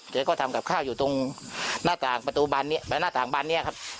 เดี๋ยวก็ทำกับข้าวอยู่ตรงหน้าต่างประตูบานเนี้ยหน้าต่างบานเนี้ยครับ